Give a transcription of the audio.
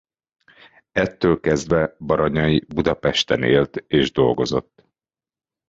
Ettől kezdve Baranyai Budapesten élt és dolgozott.